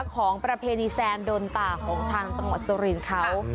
ประเพณีแซนโดนตาของทางจังหวัดสุรินทร์เขา